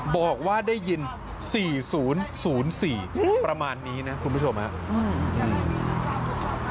บอกว่าได้ยิน๔๐๐๔ประมาณนี้นะคุณผู้ชมครับ